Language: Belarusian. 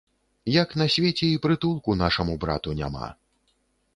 Як на свеце і прытулку нашаму брату няма!